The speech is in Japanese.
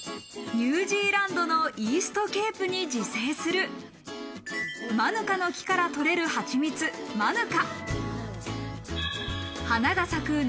ニュージーランドのイーストケープに自生するマヌカの木から取れる蜂蜜、マヌカ。